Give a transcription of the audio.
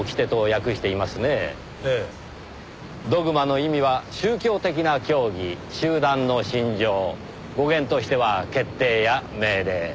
Ｄｏｇｍａの意味は宗教的な教義集団の信条語源としては決定や命令。